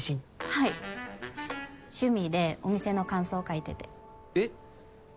はい趣味でお店の感想書いててえっ？